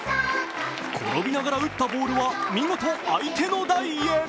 転びながら打ったボールは見事、相手の台へ。